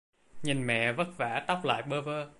Nhìn mẹ vất vả tóc tại Bơ Vơ